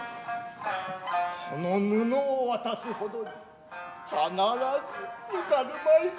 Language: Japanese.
この布を渡す程に必ず抜かるまいぞ。